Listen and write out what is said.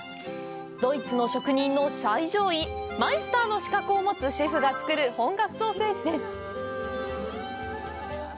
ドイツの職人の最上位マイスターの資格を持つシェフが作る本格ソーセージです。